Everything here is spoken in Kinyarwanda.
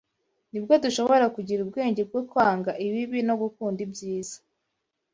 ni bwo dushobora kugira ubwenge bwo kwanga ibibi no gukunda ibyiza